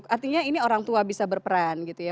artinya ini orang tua bisa berperan gitu ya